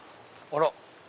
あら！